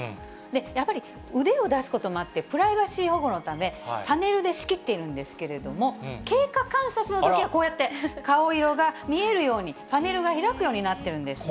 やっぱり腕を出すこともあって、プライバシー保護のため、パネルで仕切っているんですけれども、経過観察のときはこうやって顔色が見えるように、パネルが開くようになってるんですね。